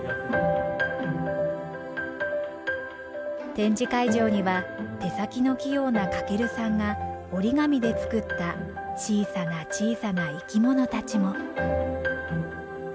展示会場には手先の器用な翔さんが折り紙で作った小さな小さな生き物たちも。